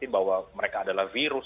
bahwa mereka adalah virus